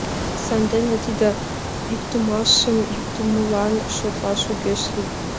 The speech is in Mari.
Сандене тиде йӱктымашым йӱктымылан шотлаш огеш лий.